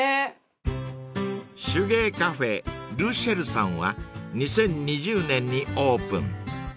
［手芸カフェｌｅｃｉｅｌさんは２０２０年にオープン］